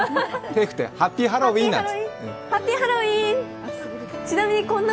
ハッピー、ハロウィーン！